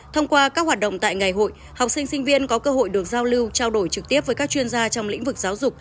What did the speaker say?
thông qua các hoạt động tại ngày hội học sinh sinh viên có cơ hội được giao lưu trao đổi trực tiếp với các chuyên gia trong lĩnh vực giáo dục